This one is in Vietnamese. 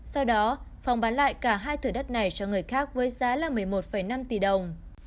sau đó phòng bán lại cả hai thử đất này cho người khác với giá một mươi một năm tỷ đồng